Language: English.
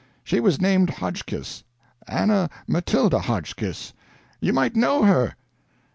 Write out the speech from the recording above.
She was named Hotchkiss Anna Matilda Hotchkiss you might know her?